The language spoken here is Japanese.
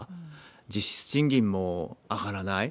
実質賃金も上がらない。